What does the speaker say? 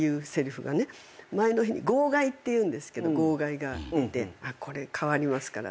前の日に号外っていうんですけど号外が出て「これ変わりますから」